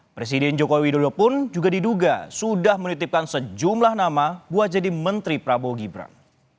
presiden joko widodo pun juga diduga sudah menitipkan sejumlah nama buat jadi menteri prabowo gibran